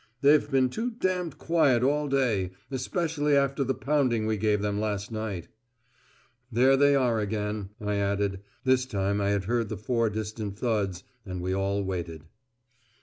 "They've been too d d quiet all day especially after the pounding we gave them last night." "There they are again," I added. This time I had heard the four distant thuds, and we all waited.